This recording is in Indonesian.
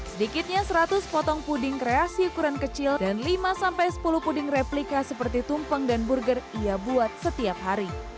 sedikitnya seratus potong puding kreasi ukuran kecil dan lima sampai sepuluh puding replika seperti tumpeng dan burger ia buat setiap hari